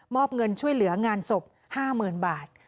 อบเงินช่วยเหลืองานศพ๕๐๐๐บาท